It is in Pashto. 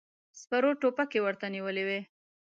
سپرو ټوپکې ورته نيولې وې.